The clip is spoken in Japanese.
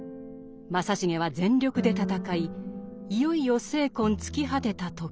正成は全力で戦いいよいよ精魂尽き果てた時。